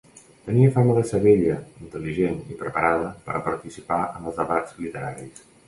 Tenia fama de ser bella, intel·ligent i preparada per a participar en els debats literaris.